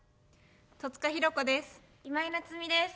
戸塚寛子です。